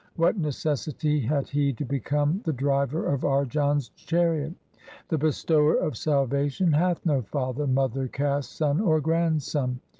What necessity had He to become the driver of Arjan's chariot ? The Bestower of salvation hath no father, mother, caste, son, or grandson.